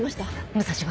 武蔵は？